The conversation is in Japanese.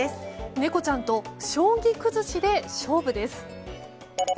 猫ちゃんと将棋崩しで勝負です。